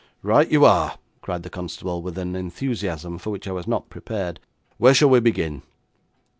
'Right you are,' cried the constable, with an enthusiasm for which I was not prepared. 'Where shall we begin?'